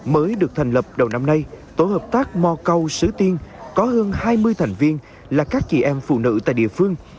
mới được thành lập đầu năm nay tổ hợp tác mò câu tiên có hơn hai mươi thành viên là các chị em phụ nữ tại địa phương